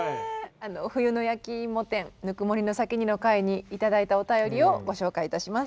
「冬の焼きいも店ぬくもりの先に」の回に頂いたお便りをご紹介いたします。